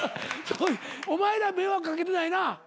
お前ら迷惑掛けてないな？